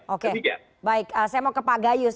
oke baik saya mau ke pak gayus